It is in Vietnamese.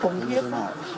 không hiếp lắm